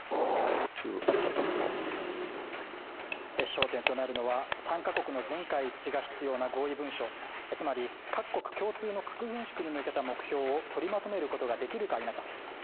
焦点となるのは参加国の全会一致が必要な合意文書、つまり各国共通の核軍縮に向けた目標を取りまとめることができるか否かでです。